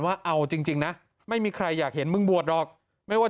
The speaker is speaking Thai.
ว่าเอาจริงนะไม่มีใครอยากเห็นมึงบวชหรอกไม่ว่า